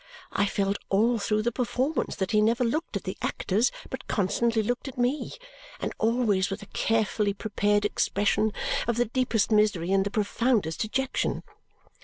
I felt all through the performance that he never looked at the actors but constantly looked at me, and always with a carefully prepared expression of the deepest misery and the profoundest dejection.